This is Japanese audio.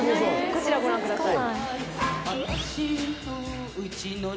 こちらをご覧ください